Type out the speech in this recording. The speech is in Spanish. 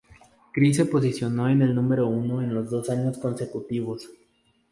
Criss se posicionó en el número uno en los dos años consecutivos.